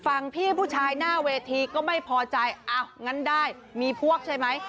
พี่ผู้ชายหน้าเวทีก็ไม่พอใจอ้าวงั้นได้มีพวกใช่ไหม